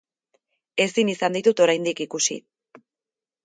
Ezin izan ditut oraindik ikusi.